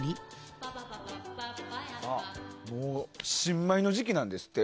もう新米の時期なんですって。